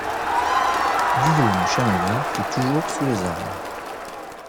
Guillaume Chamaillard fut toujours sous les armes.